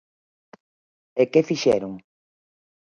E que fixeron?